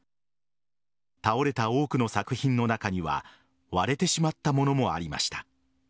倒れた多くの作品の中には割れてしまったものもありました。